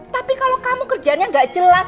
tapi kalau kamu kerjaannya gak jelas